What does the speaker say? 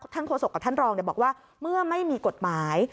ท่านโทษกับท่านรองเนี่ยบอกว่าเมื่อไม่มีกฎหมาย